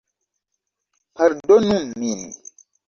Pardonu min!